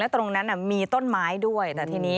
แล้วตรงนั้นมีต้นไม้ด้วย